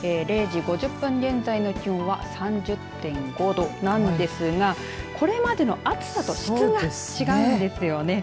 ０時５０分現在の気温は３０．５度なんですがこれまでの暑さと質が違うんですよね。